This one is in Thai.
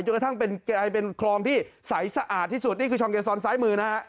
โดยกระทั่งเป็นคลองที่ไส้สะอาดที่สุดนี่คือชองเกศรซ้ายมือนะฮะ